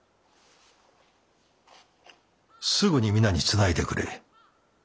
すぐに皆につないでくれ。